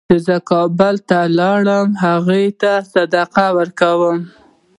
چې زه کابل ته لاړم هغه یې تصدیق کړه.